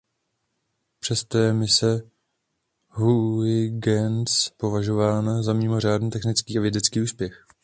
Přesto je mise Huygens považována za mimořádný technický a vědecký úspěch.